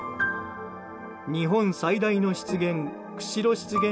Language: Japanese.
日本最大の湿原